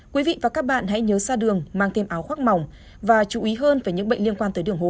quý vị và các bạn hãy nhớ xa đường mang thêm áo khoác mỏng và chú ý hơn về những bệnh liên quan tới đường hô hấp